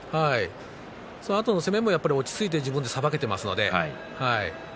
そのあとの攻めも落ち着いて自分でさばけていますので。